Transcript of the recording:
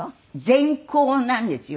全甲なんですよ。